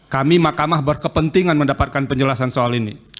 kami mahkamah berkepentingan mendapatkan penjelasan soal ini